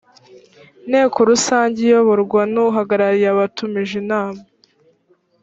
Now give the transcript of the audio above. nteko rusange iyoborwa n uhagarariye abatumije inama